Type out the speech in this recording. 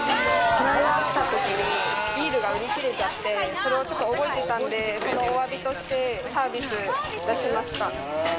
こないだ来たときに、ビールが売り切れちゃって、それを覚えてたんで、そのお詫びとしてサービス出しました。